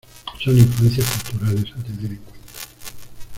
Son influencias culturales a tener en cuenta.